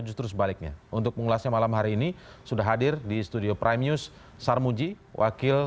justru sebaliknya untuk mengulasnya malam hari ini sudah hadir di studio prime news sarmuji wakil